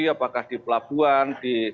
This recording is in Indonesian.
apakah di pelabuhan di